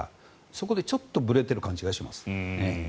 そこでちょっとぶれている感じがします。